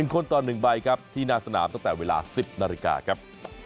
คนต่อ๑ใบครับที่หน้าสนามตั้งแต่เวลา๑๐นาฬิกาครับ